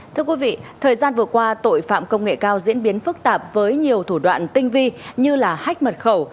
thưa quý vị thời gian vừa qua tội phạm công nghệ cao diễn biến phức tạp với nhiều thủ đoạn tinh vi như hách mật khẩu